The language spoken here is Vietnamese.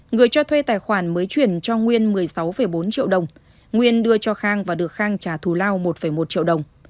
người cho thuê tài khoản mới chuyển cho nguyên một mươi sáu bốn triệu đồng nguyên đưa cho khang và được khang trả thù lao một một triệu đồng